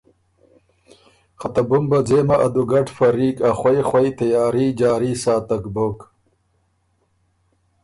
خه ته بُمبه ځېمه ا دُوګډ فریق ا خوئ خوئ تیاري جاري ساتک بُک